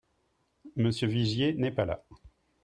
Monsieur Vigier n’est pas là